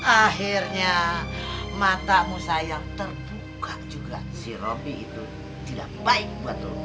akhirnya matamu sayang terbuka juga si robby itu tidak baik buat lu